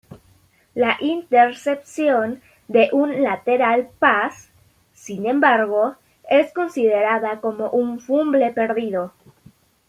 La intercepción de un lateral pass, sin embargo, es considerada como un fumble perdido.